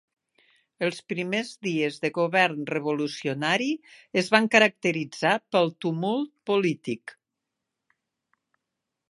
Els primers dies de Govern revolucionari es van caracteritzar pel tumult polític.